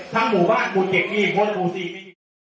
ทั้งหมู่บ้านหมู่เกิดห้ีหมู่สี่ไม่อีก